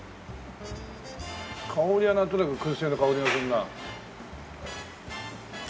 香りはなんとなく燻製の香りがするな。